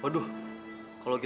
loh k rs balik lagi